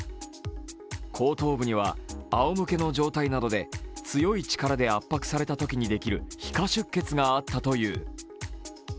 後頭部にはあおむけの状態などで強い力で圧迫されたときにできる皮下出血があったという。